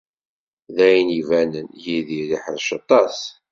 D ayen ibanen, Yidir iḥrec aṭas.